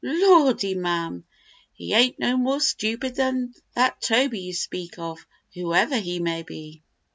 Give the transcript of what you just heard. "Lordy, ma'm! he ain't no more stupid than that Toby you speak of, whoever he may be."